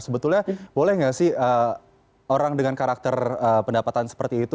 sebetulnya boleh nggak sih orang dengan karakter pendapatan seperti itu